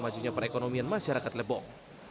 majunya perekonomian masyarakat lebong